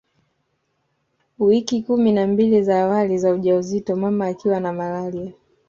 Wiki kumi na mbili za awali za ujauzito mama akiwa na malaria